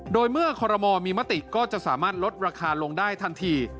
โดยเมื่อคอรมอลมีมติก็จะสามารถลดราคาลงได้ทันที